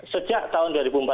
sejak tahun dua ribu empat belas